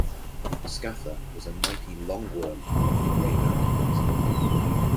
Scatha was a mighty "long-worm" of the Grey Mountains.